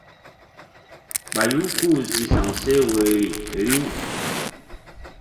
Ɓayu ku-u zi sa̧w seh woyri riw.